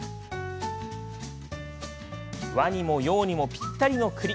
和にも洋にもぴったりの、くり。